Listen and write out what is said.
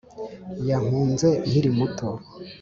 Yankunze nkiri muto